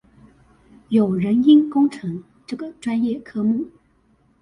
有人因工程這個專業科目